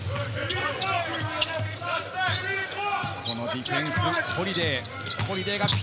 このディフェンス、ホリデイ。